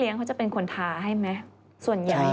เขาอาจจะกลายเป็นคนกลัวตำรวจไปเลยสภาวะจิตใจไม่ดีนะฮะ